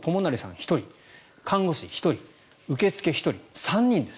１人看護師１人、受付１人３人です。